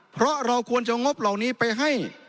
เพราะเราควรจะงบเหล่านี้ไปให้